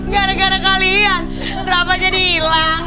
gara gara kalian berapa jadi hilang